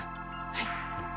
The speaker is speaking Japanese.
はい。